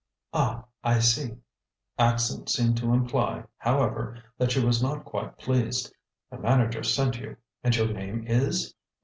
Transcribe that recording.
"Ah, I see." Accent seemed to imply, however, that she was not quite pleased. "The manager sent you. And your name is